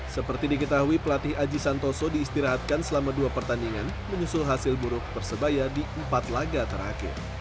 seperti diketahui pelatih aji santoso diistirahatkan selama dua pertandingan menyusul hasil buruk persebaya di empat laga terakhir